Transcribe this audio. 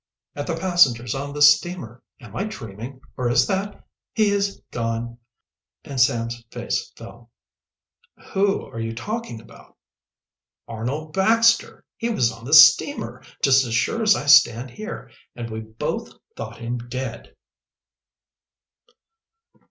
"At the passengers on the steamer. Am I dreaming, or is that he is gone!" And Sam's face fell. "Who are you talking about?" "Arnold Baxter! He was on the steamer, just as sure as I stand here. And we both thought him dead!"